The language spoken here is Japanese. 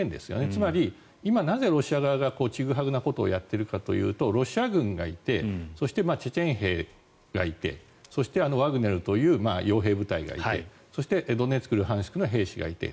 つまり、今なぜロシア側がちぐはぐなことをやっているかというとロシア軍がいてそしてチェチェン兵がいてそしてワグネルという傭兵部隊がいてそしてドネツク、ルハンシクの兵士がいて。